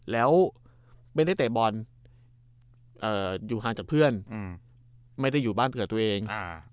แล้วไม่ได้เตะบอลอยู่ห่างจากเพื่อนไม่ได้อยู่บ้านเกิดตัวเอง